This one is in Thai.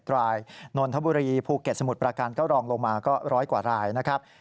๑๐๕๑รายนนทบุรีภูเก็ตสมุทรประกันเก้ารองลงมาก็ร้อยกว่าหลายนะครับ